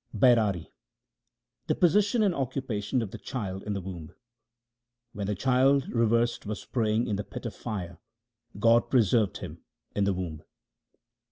Bairari The position and occupation of the child in the womb :— When the child reversed was praying in the pit of fire, God preserved him in the womb.